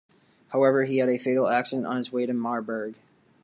However, he had a fatal accident on his way to Marburg.